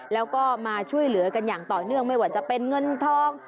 แล้วก็มาช่วยเหลือกันอย่างต่อเนื่องไม่ว่าจะเป็นเงินทอง